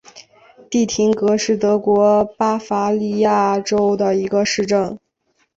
蒂廷格是德国巴伐利亚州的一个市镇。